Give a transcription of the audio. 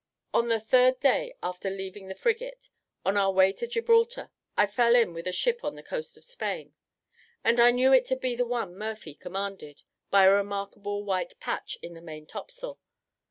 On the third day after leaving the frigate, on our way to Gibraltar, I fell in with a ship on the coast of Spain, and knew it to be the one Murphy commanded, by a remarkable white patch in the main topsail.